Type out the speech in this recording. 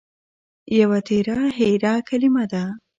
يوه تېره هېره کلمه ده